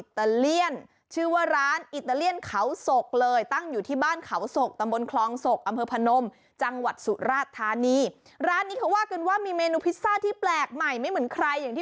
ที่จังหวัดสุราธารณีไม่ใช่พิซซ่าธรรมดานะ